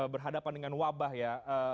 berhadapan dengan wabah ya